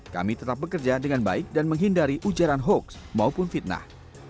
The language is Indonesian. kami tetap bekerja dengan baik dan menghindari ujaran hoax maupun fitnah